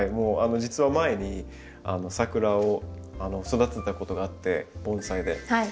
実は前にサクラを育てたことがあって盆栽で。